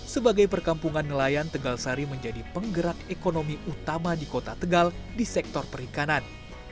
sebagai perkampungan nelayan tegal sari menjadi penggerak ekonomi utama di kota tegal di sektor perikanan